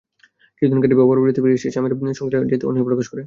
কিছুদিন কাটিয়ে বাবার বাড়িতে ফিরে এসে স্বামীর সংসারে যেতে অনীহা প্রকাশ করে।